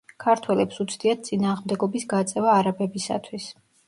ქართველებს უცდიათ წინააღმდეგობის გაწევა არაბებისათვის.